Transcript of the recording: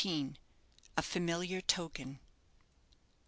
A FAMILIAR TOKEN.